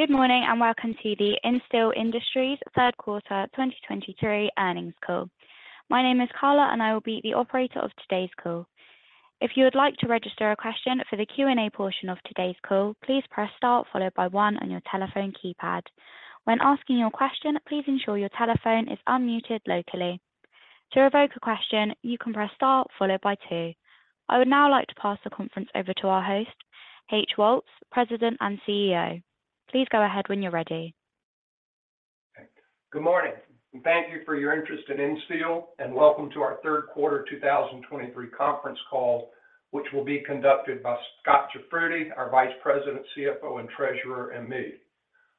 Good morning, welcome to the Insteel Industries Third Quarter 2023 Earnings Call. My name is Carla, I will be the operator of today's call. If you would like to register a question for the Q&A portion of today's call, please press star followed by one on your telephone keypad. When asking your question, please ensure your telephone is unmuted locally. To revoke a question, you can press star followed by two. I would now like to pass the conference over to our host, H. Woltz, President and CEO. Please go ahead when you're ready. Good morning. Thank you for your interest in Insteel, and welcome to our Third Quarter 2023 Conference Call, which will be conducted by Scot Jafroodi, our Vice President, CFO, and Treasurer, and me.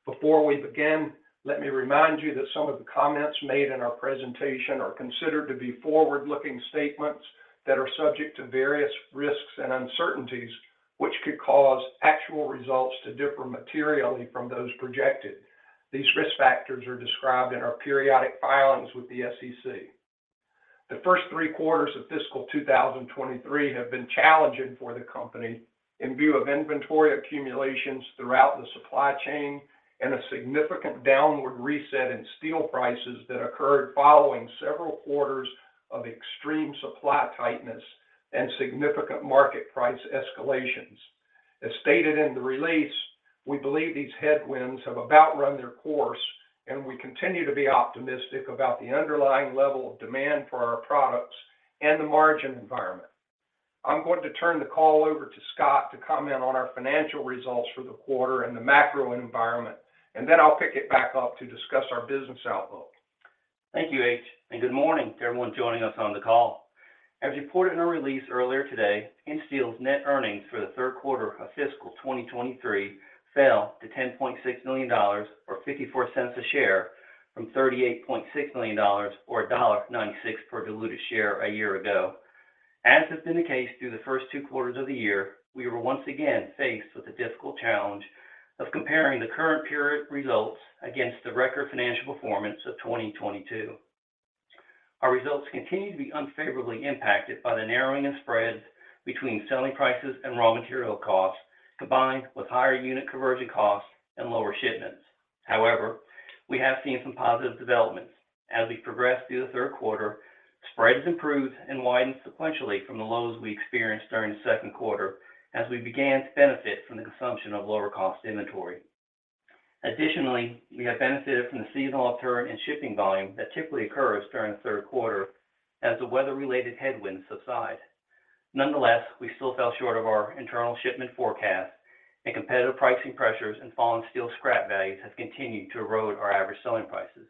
Before we begin, let me remind you that some of the comments made in our presentation are considered to be forward-looking statements that are subject to various risks and uncertainties, which could cause actual results to differ materially from those projected. These risk factors are described in our periodic filings with the SEC. The first three quarters of fiscal 2023 have been challenging for the company in view of inventory accumulations throughout the supply chain and a significant downward reset in steel prices that occurred following several quarters of extreme supply tightness and significant market price escalations. As stated in the release, we believe these headwinds have about run their course. We continue to be optimistic about the underlying level of demand for our products and the margin environment. I'm going to turn the call over to Scot to comment on our financial results for the quarter and the macro environment. I'll pick it back up to discuss our business outlook. Thank you, H. Good morning to everyone joining us on the call. As reported in a release earlier today, Insteel's net earnings for the third quarter of fiscal 2023 fell to $10.6 million, or $0.54 a share, from $38.6 million, or $1.96 per diluted share a year ago. As has been the case through the first two quarters of the year, we were once again faced with the difficult challenge of comparing the current period results against the record financial performance of 2022. Our results continued to be unfavorably impacted by the narrowing of spreads between selling prices and raw material costs, combined with higher unit conversion costs and lower shipments. We have seen some positive developments. As we progressed through the third quarter, spreads improved and widened sequentially from the lows we experienced during the second quarter as we began to benefit from the consumption of lower-cost inventory. Additionally, we have benefited from the seasonal upturn in shipping volume that typically occurs during the third quarter as the weather-related headwinds subside. Nonetheless, we still fell short of our internal shipment forecast, and competitive pricing pressures and falling steel scrap values have continued to erode our average selling prices.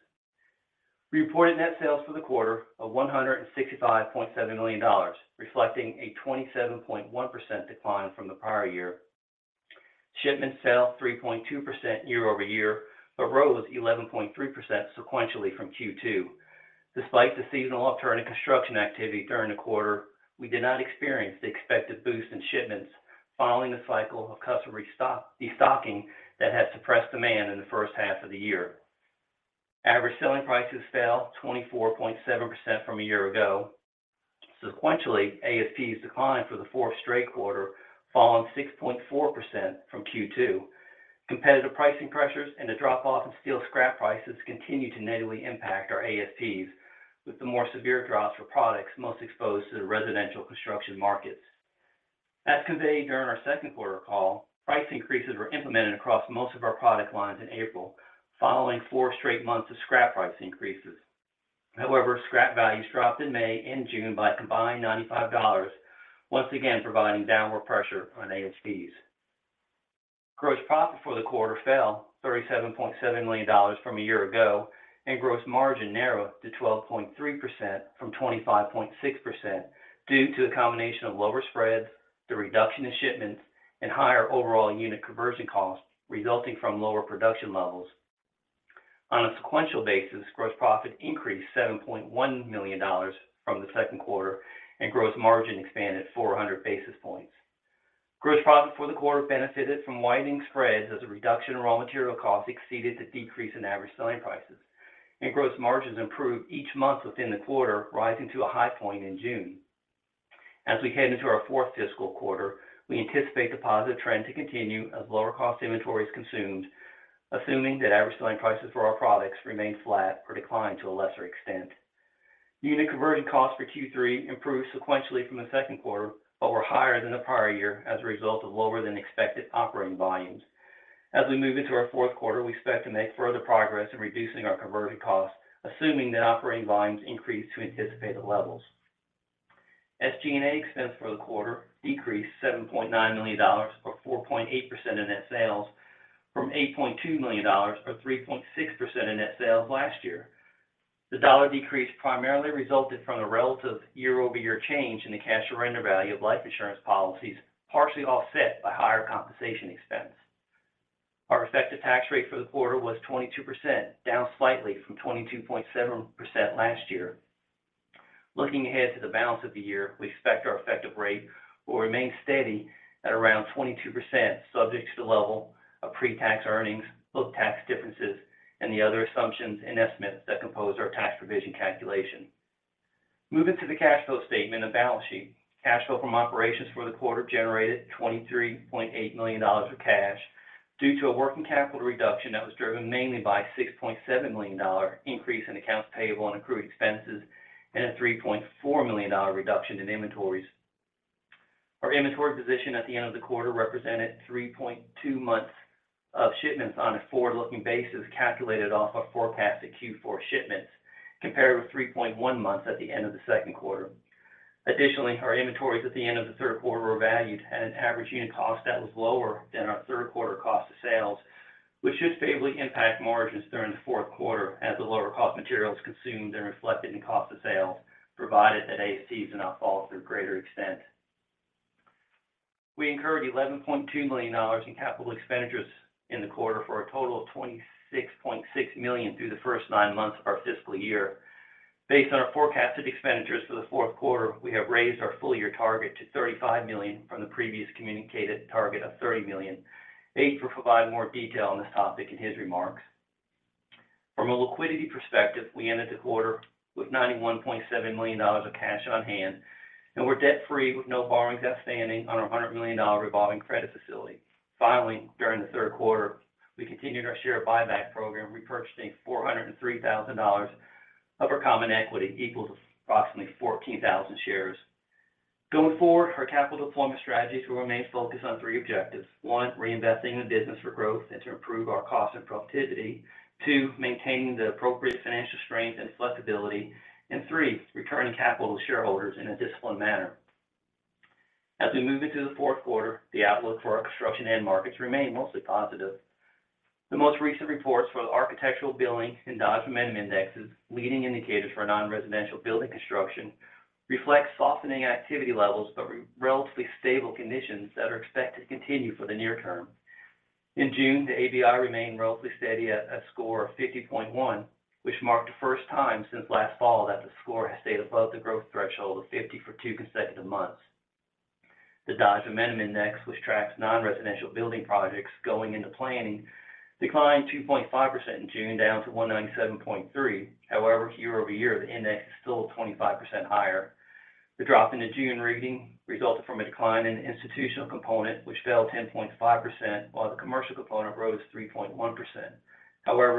We reported net sales for the quarter of $165.7 million, reflecting a 27.1% decline from the prior year. Shipments fell 3.2% year-over-year, but rose 11.3% sequentially from Q2. Despite the seasonal upturn in construction activity during the quarter, we did not experience the expected boost in shipments following a cycle of customer destocking that had suppressed demand in the first half of the year. Average selling prices fell 24.7% from a year ago. Sequentially, ASPs declined for the fourth straight quarter, falling 6.4% from Q2. Competitive pricing pressures and a drop-off in steel scrap prices continued to negatively impact our ASPs, with the more severe drops for products most exposed to the residential construction markets. As conveyed during our second quarter call, price increases were implemented across most of our product lines in April, following four straight months of scrap price increases. However, scrap values dropped in May and June by a combined $95, once again providing downward pressure on ASPs. Gross profit for the quarter fell $37.7 million from a year ago, and gross margin narrowed to 12.3% from 25.6% due to a combination of lower spreads, the reduction in shipments, and higher overall unit conversion costs resulting from lower production levels. On a sequential basis, gross profit increased $7.1 million from the second quarter, and gross margin expanded 400 basis points. Gross profit for the quarter benefited from widening spreads as a reduction in raw material costs exceeded the decrease in average selling prices, and gross margins improved each month within the quarter, rising to a high point in June. As we head into our fourth fiscal quarter, we anticipate the positive trend to continue as lower-cost inventory is consumed, assuming that average selling prices for our products remain flat or decline to a lesser extent. Unit conversion costs for Q3 improved sequentially from the second quarter, but were higher than the prior year as a result of lower-than-expected operating volumes. As we move into our fourth quarter, we expect to make further progress in reducing our conversion costs, assuming that operating volumes increase to anticipated levels. SG&A expense for the quarter decreased $7.9 million, or 4.8% in net sales, from $8.2 million, or 3.6% in net sales last year. The dollar decrease primarily resulted from a relative year-over-year change in the cash surrender value of life insurance policies, partially offset by higher compensation expense. Our effective tax rate for the quarter was 22%, down slightly from 22.7% last year. Looking ahead to the balance of the year, we expect our effective rate will remain steady at around 22%, subject to the level of pre-tax earnings, book tax differences, and the other assumptions and estimates that compose our tax provision calculation. Moving to the cash flow statement and balance sheet. Cash flow from operations for the quarter generated $23.8 million of cash due to a working capital reduction that was driven mainly by a $6.7 million increase in accounts payable and accrued expenses, and a $3.4 million reduction in inventories. Our inventory position at the end of the quarter represented 3.2 months of shipments on a forward-looking basis, calculated off our forecasted Q4 shipments, compared with 3.1 months at the end of the second quarter. Additionally, our inventories at the end of the third quarter were valued at an average unit cost that was lower than our third quarter cost of sales, which should favorably impact margins during the fourth quarter as the lower cost materials consumed and reflected in cost of sales, provided that AFCs do not fall to a greater extent. We incurred $11.2 million in CapEx in the quarter for a total of $26.6 million through the first nine months of our fiscal year. Based on our forecasted expenditures for the fourth quarter, we have raised our full-year target to $35 million from the previous communicated target of $30 million. H will provide more detail on this topic in his remarks. From a liquidity perspective, we ended the quarter with $91.7 million of cash on hand, we're debt-free with no borrowings outstanding on our $100 million revolving credit facility. Finally, during the third quarter, we continued our share buyback program, repurchasing $403,000 of our common equity, equals approximately 14,000 shares. Going forward, our capital deployment strategies will remain focused on three objectives: one, reinvesting in the business for growth and to improve our cost and productivity. Two, maintaining the appropriate financial strength and flexibility. Three, returning capital to shareholders in a disciplined manner. As we move into the fourth quarter, the outlook for our construction end markets remain mostly positive. The most recent reports for the Architecture Billings and Dodge Momentum indexes, leading indicators for non-residential building construction, reflect softening activity levels, relatively stable conditions that are expected to continue for the near term. In June, the ABI remained relatively steady at a score of 50.1, which marked the first time since last fall that the score has stayed above the growth threshold of 50 for two consecutive months. The Dodge Momentum Index, which tracks non-residential building projects going into planning, declined 2.5% in June, down to 197.3. Year-over-year, the index is still 25% higher. The drop in the June reading resulted from a decline in the institutional component, which fell 10.5%, while the commercial component rose 3.1%.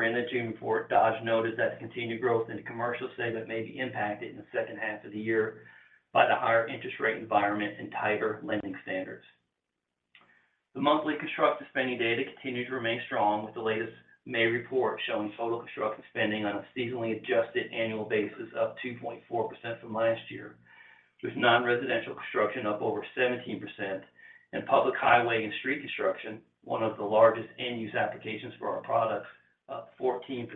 In the June report, Dodge noted that the continued growth in the commercial segment may be impacted in the second half of the year by the higher interest rate environment and tighter lending standards. The monthly construction spending data continued to remain strong, with the latest May report showing total construction spending on a seasonally adjusted annual basis, up 2.4% from last year, with non-residential construction up over 17%, and public highway and street construction, one of the largest end-use applications for our products, up 14%.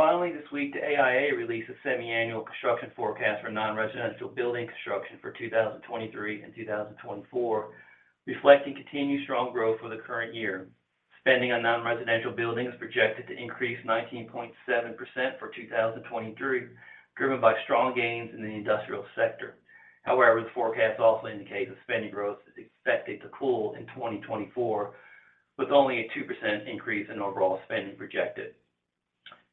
This week, the AIA released a semiannual construction forecast for non-residential building construction for 2023 and 2024, reflecting continued strong growth for the current year. Spending on non-residential building is projected to increase 19.7% for 2023, driven by strong gains in the industrial sector. The forecast also indicates that spending growth is expected to cool in 2024, with only a 2% increase in overall spending projected.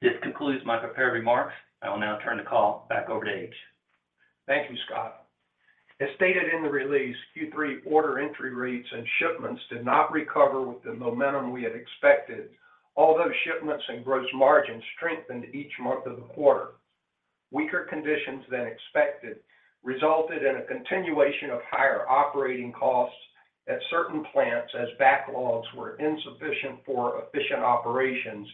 This concludes my prepared remarks. I will now turn the call back over to H. Thank you, Scot. As stated in the release, Q3 order entry rates and shipments did not recover with the momentum we had expected, although shipments and gross margins strengthened each month of the quarter. Weaker conditions than expected resulted in a continuation of higher operating costs at certain plants as backlogs were insufficient for efficient operations,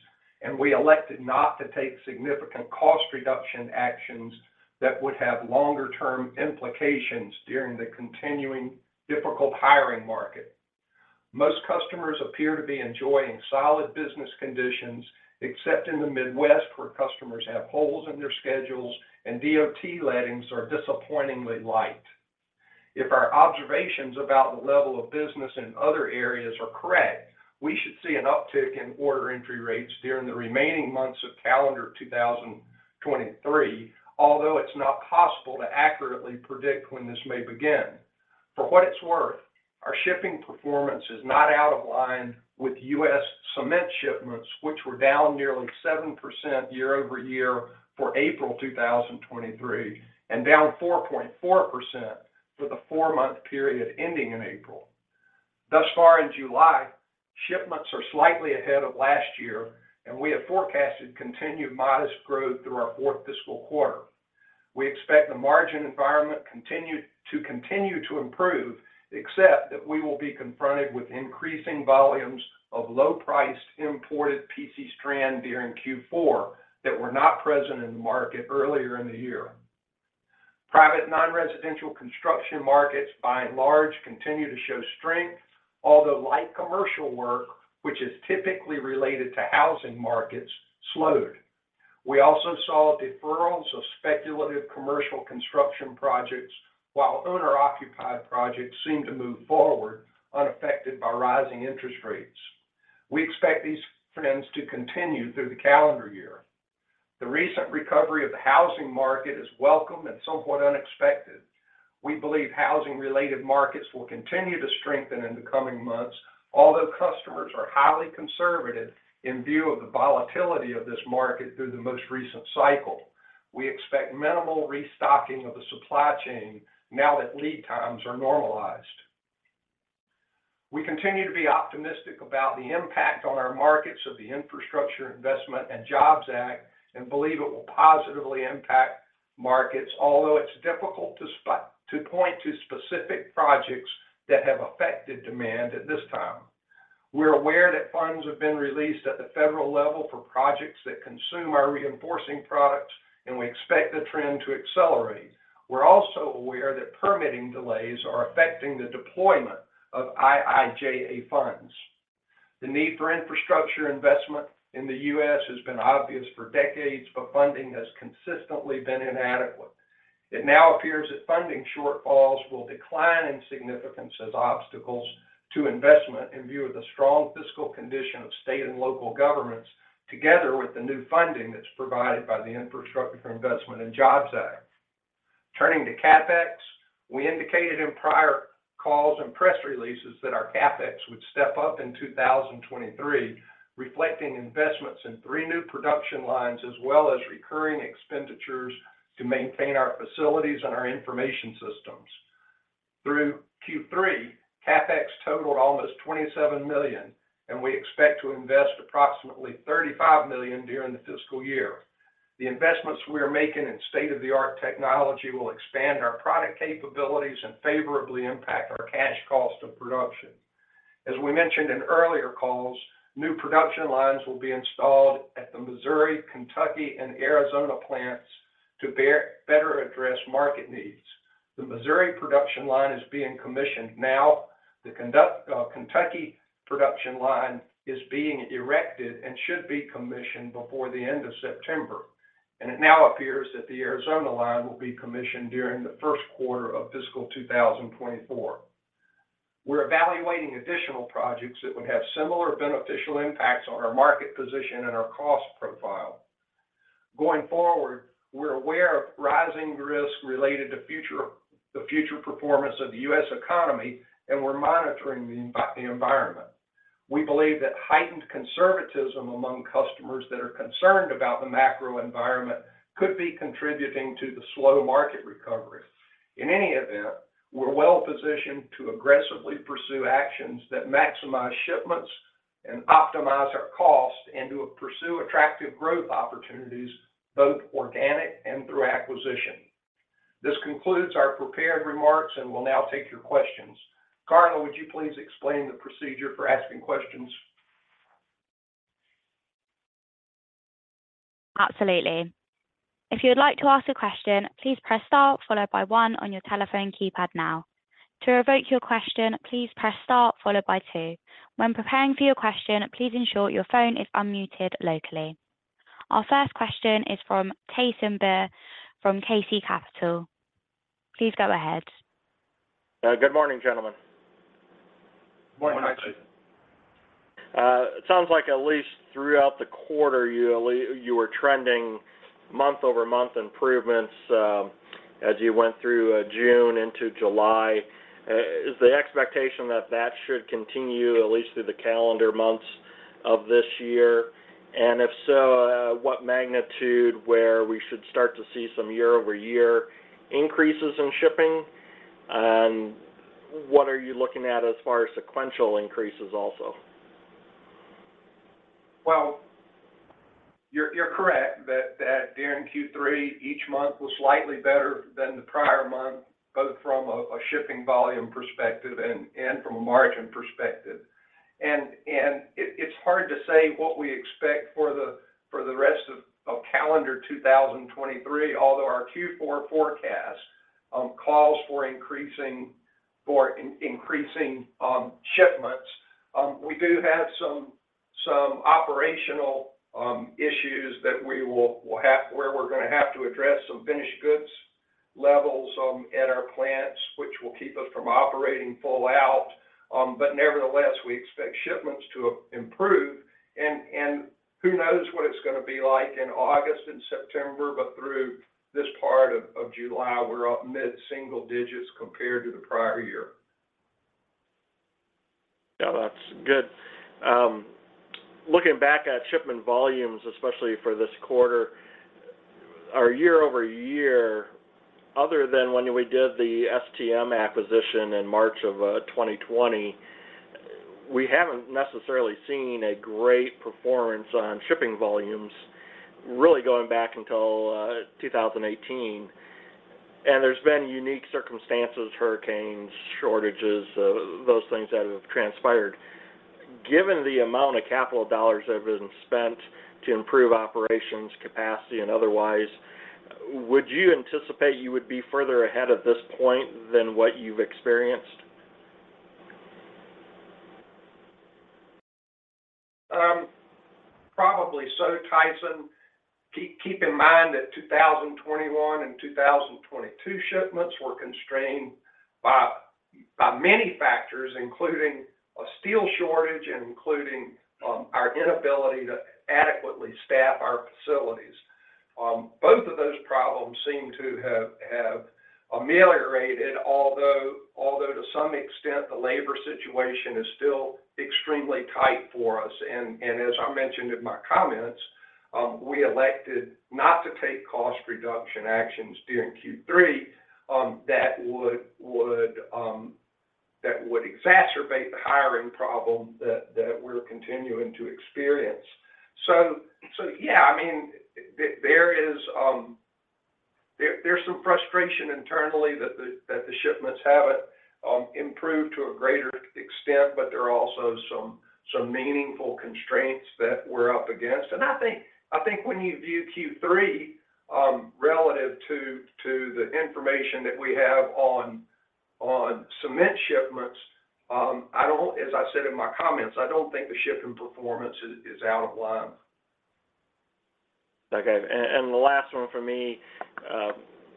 and we elected not to take significant cost reduction actions that would have longer-term implications during the continuing difficult hiring market. Most customers appear to be enjoying solid business conditions, except in the Midwest, where customers have holes in their schedules and DOT lettings are disappointingly light. If our observations about the level of business in other areas are correct, we should see an uptick in order entry rates during the remaining months of calendar 2023, although it's not possible to accurately predict when this may begin. For what it's worth, our shipping performance is not out of line with U.S. cement shipments, which were down nearly 7% year-over-year for April 2023, and down 4.4% for the four-month period ending in April. Thus far in July, shipments are slightly ahead of last year, and we have forecasted continued modest growth through our fourth fiscal quarter. We expect the margin environment to continue to improve, except that we will be confronted with increasing volumes of low-priced imported PC strand during Q4 that were not present in the market earlier in the year. Private non-residential construction markets, by and large, continue to show strength, although light commercial work, which is typically related to housing markets, slowed. We also saw deferrals of speculative commercial construction projects, while owner-occupied projects seemed to move forward unaffected by rising interest rates. We expect these trends to continue through the calendar year. The recent recovery of the housing market is welcome and somewhat unexpected. We believe housing-related markets will continue to strengthen in the coming months, although customers are highly conservative in view of the volatility of this market through the most recent cycle. We expect minimal restocking of the supply chain now that lead times are normalized. We continue to be optimistic about the impact on our markets of the Infrastructure Investment and Jobs Act, and believe it will positively impact markets, although it's difficult to point to specific projects that have affected demand at this time. We're aware that funds have been released at the federal level for projects that consume our reinforcing products, and we expect the trend to accelerate. We're also aware that permitting delays are affecting the deployment of IIJA funds. The need for infrastructure investment in the U.S. has been obvious for decades. Funding has consistently been inadequate. It now appears that funding shortfalls will decline in significance as obstacles to investment, in view of the strong fiscal condition of state and local governments, together with the new funding that's provided by the Infrastructure Investment and Jobs Act. Turning to CapEx, we indicated in prior calls and press releases that our CapEx would step up in 2023, reflecting investments in three new production lines, as well as recurring expenditures to maintain our facilities and our information systems. Through Q3, CapEx totaled almost $27 million, and we expect to invest approximately $35 million during the fiscal year. The investments we are making in state-of-the-art technology will expand our product capabilities and favorably impact our cash cost of production. As we mentioned in earlier calls, new production lines will be installed at the Missouri, Kentucky, and Arizona plants to better address market needs. The Missouri production line is being commissioned now. The Kentucky production line is being erected and should be commissioned before the end of September. It now appears that the Arizona line will be commissioned during the first quarter of fiscal 2024. We're evaluating additional projects that would have similar beneficial impacts on our market position and our cost profile. Going forward, we're aware of rising risk related to the future performance of the U.S. economy, and we're monitoring the environment. We believe that heightened conservatism among customers that are concerned about the macro environment could be contributing to the slow market recovery. In any event, we're well-positioned to aggressively pursue actions that maximize shipments and optimize our cost, and to pursue attractive growth opportunities, both organic and through acquisition. This concludes our prepared remarks. We'll now take your questions. Carla, would you please explain the procedure for asking questions? Absolutely. If you would like to ask a question, please press star followed by one on your telephone keypad now. To revoke your question, please press star followed by two. When preparing for your question, please ensure your phone is unmuted locally. Our first question is from Tyson Bauer from KC Capital. Please go ahead. Good morning, gentlemen. Morning, Tyson. It sounds like at least throughout the quarter, you were trending month-over-month improvements, as you went through June into July. Is the expectation that that should continue at least through the calendar months of this year? If so, what magnitude, where we should start to see some year-over-year increases in shipping? What are you looking at as far as sequential increases also? Well, you're correct that during Q3, each month was slightly better than the prior month, both from a shipping volume perspective and from a margin perspective. It's hard to say what we expect for the rest of calendar 2023, although our Q4 forecast calls for increasing shipments. We do have some operational issues that we will have to address some finished goods levels at our plants, which will keep us from operating full out. Nevertheless, we expect shipments to improve. Who knows what it's gonna be like in August and September, but through this part of July, we're up mid-single digits compared to the prior year. Yeah, that's good. Looking back at shipment volumes, especially for this quarter, our year-over-year, other than when we did the STM acquisition in March of 2020, we haven't necessarily seen a great performance on shipping volumes, really going back until 2018. There's been unique circumstances, hurricanes, shortages, those things that have transpired. Given the amount of capital dollars that have been spent to improve operations, capacity, and otherwise, would you anticipate you would be further ahead at this point than what you've experienced? Probably so, Tyson. Keep in mind that 2021 and 2022 shipments were constrained by many factors, including a steel shortage and including our inability to adequately staff our facilities. Both of those problems seem to have ameliorated, although to some extent, the labor situation is still extremely tight for us. As I mentioned in my comments, we elected not to take cost reduction actions during Q3 that would exacerbate the hiring problem that we're continuing to experience. Yeah, I mean, there is there's some frustration internally that the shipments haven't improved to a greater extent, but there are also some meaningful constraints that we're up against. I think when you view Q3, relative to the information that we have on cement shipments, as I said in my comments, I don't think the shipping performance is out of line. Okay. The last one from me,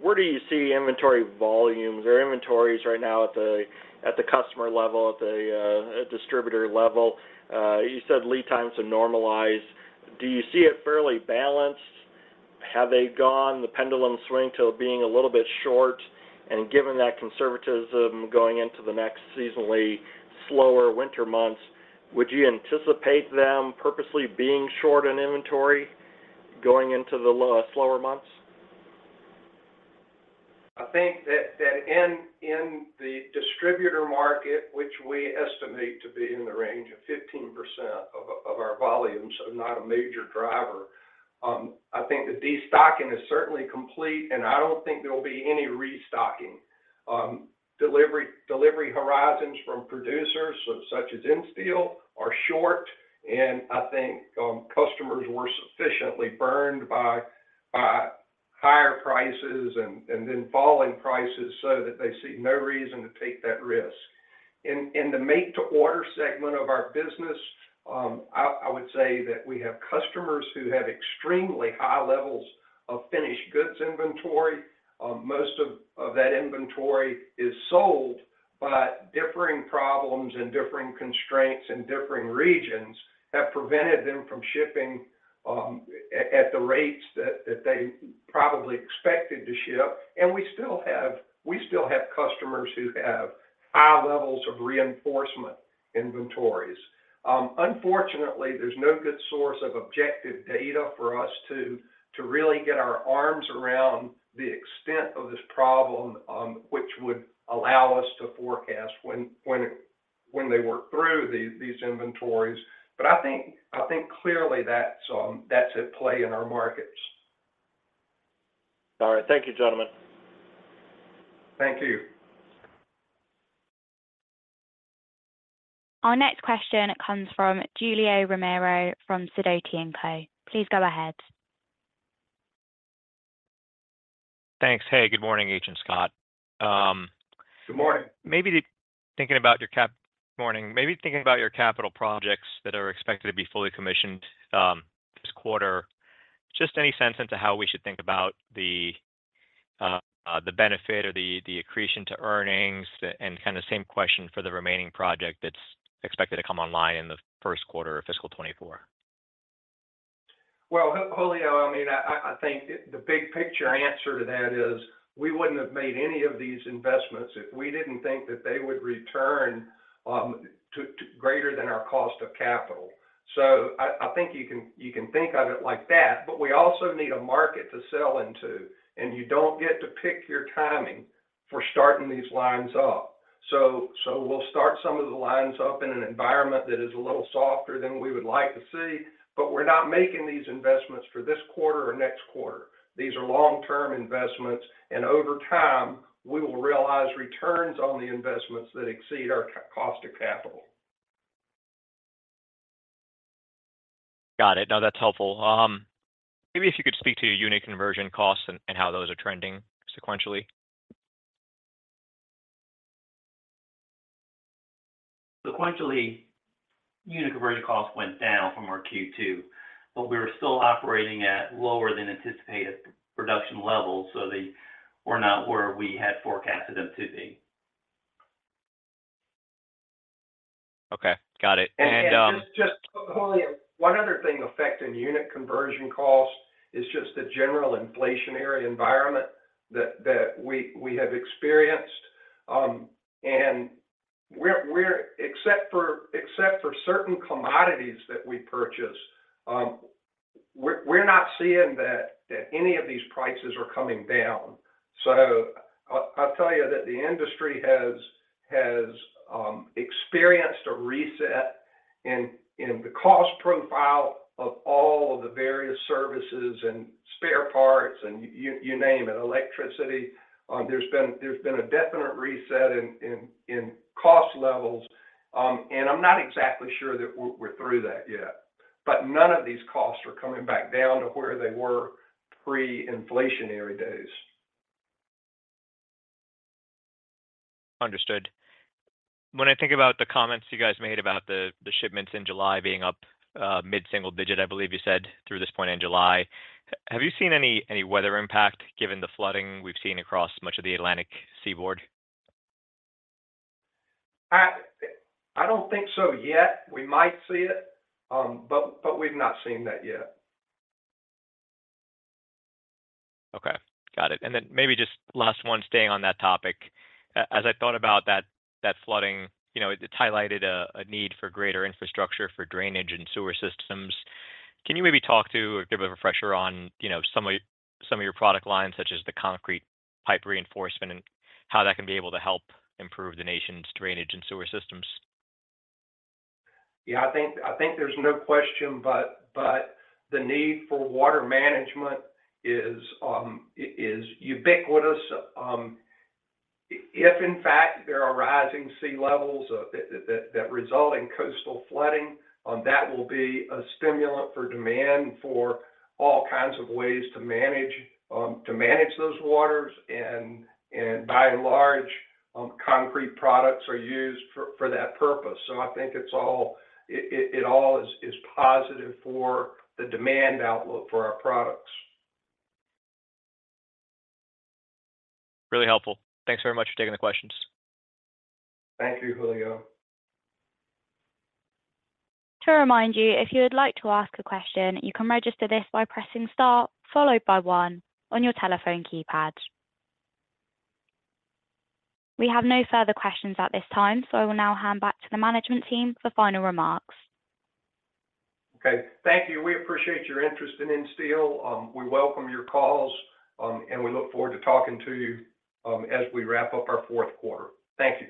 where do you see inventory volumes or inventories right now at the customer level, at the distributor level? You said lead times have normalized. Do you see it fairly balanced? Have they gone the pendulum swing to it being a little bit short, and given that conservatism going into the next seasonally slower winter months, would you anticipate them purposely being short on inventory going into the low, slower months? I think that in the distributor market, which we estimate to be in the range of 15% of our volume, so not a major driver. I think the destocking is certainly complete. I don't think there will be any restocking. Delivery horizons from producers, such as Insteel, are short. I think customers were sufficiently burned by higher prices then falling prices, so that they see no reason to take that risk. In the make to order segment of our business, I would say that we have customers who have extremely high levels of finished goods inventory. Most of that inventory is sold. Differing problems and differing constraints in differing regions have prevented them from shipping at the rates that they probably expected to ship. We still have customers who have high levels of reinforcement inventories. Unfortunately, there's no good source of objective data for us to really get our arms around the extent of this problem, which would allow us to forecast when they work through these inventories. I think clearly that's at play in our markets. All right. Thank you, gentlemen. Thank you. Our next question comes from Julio Romero from Sidoti & Co. Please go ahead. Thanks. Hey, good morning, H and Scot. Good morning. Maybe thinking about your capital projects that are expected to be fully commissioned this quarter. Just any sense into how we should think about the benefit or the accretion to earnings? Kind of the same question for the remaining project that's expected to come online in the first quarter of fiscal 2024. Julio, I mean, I think the big picture answer to that is, we wouldn't have made any of these investments if we didn't think that they would return to greater than our cost of capital. I think you can think of it like that, but we also need a market to sell into, and you don't get to pick your timing for starting these lines up. We'll start some of the lines up in an environment that is a little softer than we would like to see, but we're not making these investments for this quarter or next quarter. These are long-term investments, and over time, we will realize returns on the investments that exceed our cost to capital. Got it. No, that's helpful. Maybe if you could speak to unit conversion costs and how those are trending sequentially? Sequentially, unit conversion costs went down from our Q2, but we were still operating at lower than anticipated production levels, so they were not where we had forecasted them to be. Okay, got it. Just Julio, one other thing affecting unit conversion cost is just the general inflationary environment that we have experienced. We're—except for certain commodities that we purchase, we're not seeing that any of these prices are coming down. I'll tell you that the industry has experienced a reset in the cost profile of all of the various services and spare parts, and you name it, electricity. There's been a definite reset in cost levels, and I'm not exactly sure that we're through that yet. None of these costs are coming back down to where they were pre-inflationary days. Understood. When I think about the comments you guys made about the shipments in July being up mid-single digit, I believe you said, through this point in July, have you seen any weather impact, given the flooding we've seen across much of the Atlantic seaboard? I don't think so yet. We might see it, but we've not seen that yet. Okay. Got it. Maybe just last one staying on that topic. As I thought about that flooding, you know, it highlighted a need for greater infrastructure for drainage and sewer systems. Can you maybe talk to or give a refresher on, you know, some of your product lines, such as the concrete pipe reinforcement, and how that can be able to help improve the nation's drainage and sewer systems? Yeah, I think there's no question, but the need for water management is ubiquitous. If in fact there are rising sea levels, that result in coastal flooding, that will be a stimulant for demand for all kinds of ways to manage, to manage those waters, and by and large, concrete products are used for that purpose. I think it all is positive for the demand outlook for our products. Really helpful. Thanks very much for taking the questions. Thank you, Julio. To remind you, if you would like to ask a question, you can register this by pressing star followed by one on your telephone keypad. We have no further questions at this time. I will now hand back to the management team for final remarks. Okay. Thank you. We appreciate your interest in Insteel. We welcome your calls, we look forward to talking to you, as we wrap up our fourth quarter. Thank you.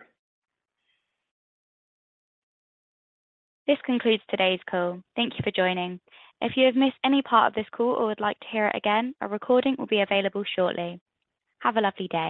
This concludes today's call. Thank you for joining. If you have missed any part of this call or would like to hear it again, a recording will be available shortly. Have a lovely day.